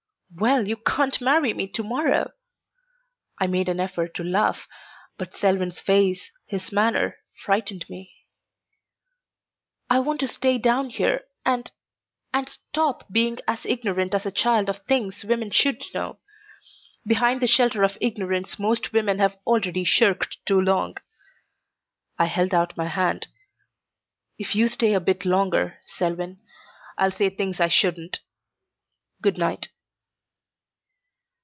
"Well, you can't marry me to morrow!" I made effort to laugh, but Selwyn's face, his manner, frightened me. "I want to stay down here and and stop being as ignorant as a child of things women should know. Behind the shelter of ignorance most women have already shirked too long." I held out my hand, "If you stay a bit longer, Selwyn, I'll say things I shouldn't. Goodnight."